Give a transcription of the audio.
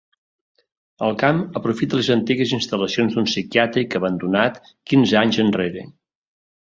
El camp aprofita les antigues instal·lacions d’un psiquiàtric abandonat quinze anys enrere.